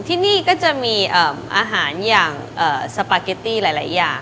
ที่นี่ก็จะมีอาหารอย่างสปาเกตตี้หลายอย่าง